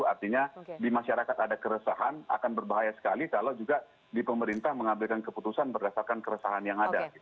artinya di masyarakat ada keresahan akan berbahaya sekali kalau juga di pemerintah mengambilkan keputusan berdasarkan keresahan yang ada